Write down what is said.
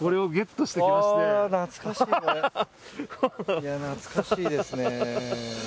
いや懐かしいですね。